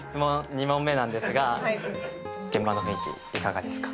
２問目なんですが現場の雰囲気いかがですか？